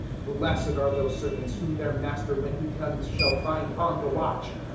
012:037 Blessed are those servants, whom their Master when He comes shall find on the watch.